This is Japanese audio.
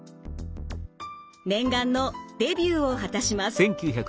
念願のデビューを果たします。